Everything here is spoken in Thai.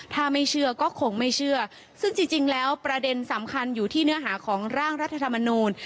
ถ้าไม่เชื่อก็คงไม่เชื่อซึ่งจริงแล้วประเด็นสำคัญอยู่ที่เนื้อหาของร่างรัฐธรรมนูล